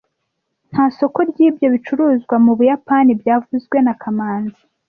Nta soko ryibyo bicuruzwa mubuyapani byavuzwe na kamanzi